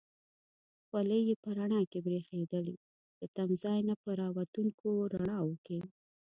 خولۍ یې په رڼا کې برېښېدلې، له تمځای نه په را وتونکو رڼاوو کې.